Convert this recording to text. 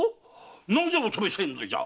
なぜお止めせんのじゃ！